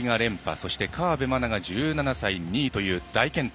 そして、河辺愛菜が１７歳２位という大健闘。